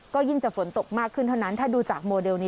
ก็ยิ่งจะฝนตกมากขึ้นเท่านั้นถ้าดูจากโมเดลนี้